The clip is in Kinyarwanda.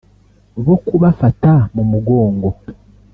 bo kubafata mu mugongo